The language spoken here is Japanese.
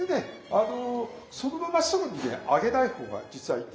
あのそのまますぐにね揚げない方が実はいいんです。